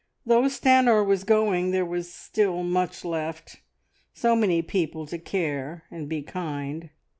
Though Stanor was going, there was still much left, so many people to care and be kind.